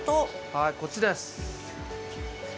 はいこっちです。